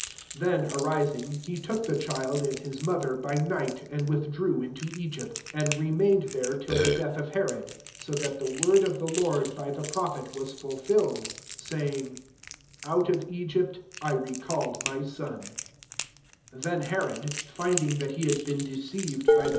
14 Then arising, he took the child and hie mother by night, and withdrett into Egypt ; \s and remained MATTHEW HI *r there HU the death qf Herod: 90 thaS the vford (^ the Lord by the pTofihet was Ju{fiUedf saying^ «< Ota qf £gyfif I recalled my 16 Then Herod Ending that he had been deceived by the